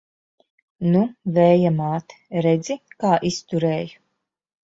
Nu, Vēja māte, redzi, kā izturēju!